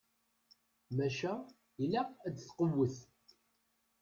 Maca ilaq ad tqewwet.